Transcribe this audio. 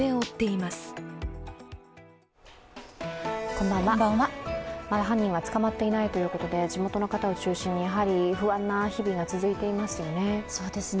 まだ犯人は捕まっていないということで、地元の方を中心にやはり不安な日々が続いていますね。